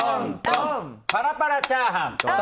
パラパラチャーハン。